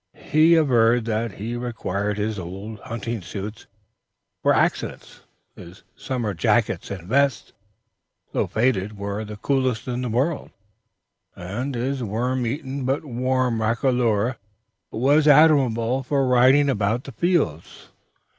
He averred that he required his old hunting suits for accidents; his summer jackets and vests, though faded, were the coolest in the world; his worm eaten but warm roquelaure was admirable for riding about the fields, etc.